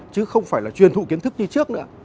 chứ không phải là truyền thụ kiến thức như trước nữa